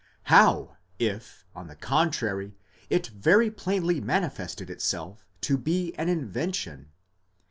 How if, on the con trary, it very plainly manifested itself to be an invention?